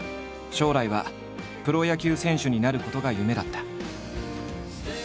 将来はプロ野球選手になることが夢だった。